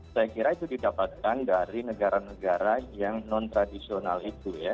saya kira itu didapatkan dari negara negara yang non tradisional itu ya